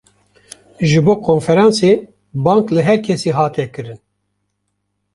Ji bo konferansê, bang li herkesî hate kirin